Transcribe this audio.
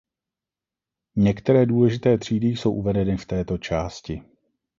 Některé důležité třídy jsou uvedeny v této části.